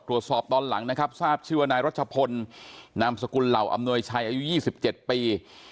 ตรวจสอบตอนหลังทราบชีวนายรัชญภนนามสกลเหล่าอำนวยชัยอายุ๒๗ปี